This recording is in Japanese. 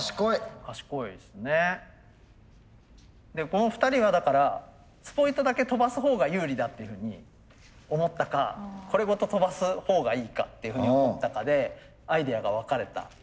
この２人がだからスポイトだけ飛ばすほうが有利だっていうふうに思ったかこれごと飛ばすほうがいいかっていうふうに思ったかでアイデアが分かれた。